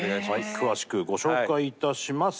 詳しくご紹介いたします。